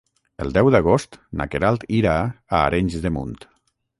El deu d'agost na Queralt irà a Arenys de Munt.